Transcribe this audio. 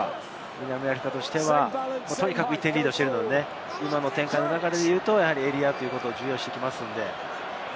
南アフリカとしては、とにかく１点リードしているので、今の展開の中でいうとエリアを重要視してきます。